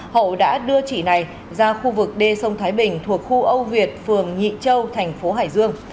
hậu đã đưa chỉ này ra khu vực đê sông thái bình thuộc khu âu việt phường nhị châu thành phố hải dương